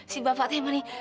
si bapaknya mani